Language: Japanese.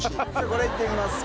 これいってみます